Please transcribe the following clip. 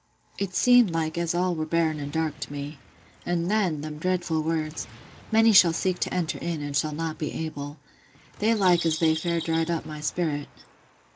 It seemed like as all were barren an' dark to me. And then, them dreadful words, 'Many shall seek to enter in, and shall not be able.' They like as they fair dried up my sperrit.